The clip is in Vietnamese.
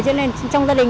cho nên trong gia đình